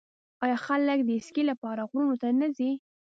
آیا خلک د اسکی لپاره غرونو ته نه ځي؟